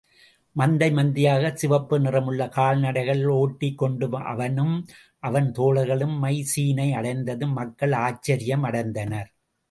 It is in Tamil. மந்தை மந்தையாகச் சிவப்பு நிறமுள்ள கால்நடைகளை ஓட்டிக் கொண்டு அவனும் அவன் தோழர்களும் மைசீனை அடைந்ததும், மக்கள் ஆச்சரியமடைந்தனர்.